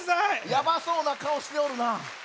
やばそうなかおしておるな。